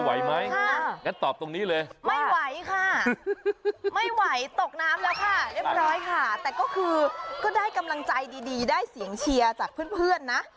ใหม่ตกน้ำแล้วค่ะเรียบร้อยค่ะแต่ก็คือก็ได้กำลังใจดีได้เสียงเชียร์จากเพื่อนนะ